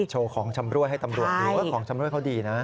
โชว์ของชำรวยให้ตำรวจหรือว่าของชำรวยเขาดีนะ